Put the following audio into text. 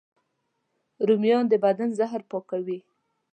رومیان د بدن زهر پاکوي